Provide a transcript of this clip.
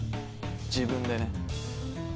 自分でね